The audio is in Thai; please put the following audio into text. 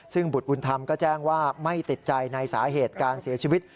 ซึ่งบุตรบุญธรรมก็แจ้งว่าไม่ติดใจในสาเหตุการเสียชีวิต